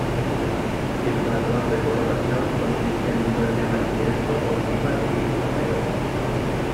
El patrón de coloración consiste en un verde amarillento, oliva, gris o negro.